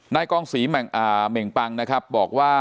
นายกองศรีเหม่งปังนะครับบอกว่า